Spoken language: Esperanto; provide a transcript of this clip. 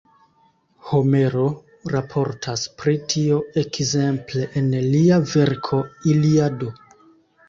Homero raportas pri tio ekzemple en lia verko Iliado.